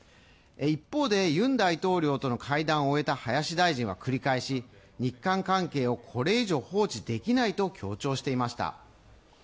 一方で、ユン大統領との会談を終えた林大臣は繰り返し日韓関係をこれ以上、放置できないと強調していました。